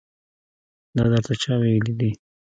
دا درته چا ويلي دي.